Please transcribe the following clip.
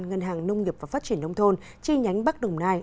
ngân hàng nông nghiệp và phát triển nông thôn chi nhánh bắc đồng nai